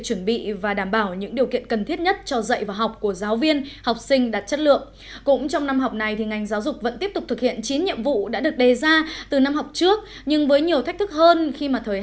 xin kính chào và hẹn gặp lại